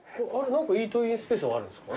何かイートインスペースもあるんですか？